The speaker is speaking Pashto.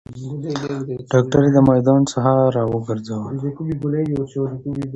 داکتر د میدان څخه راګرځول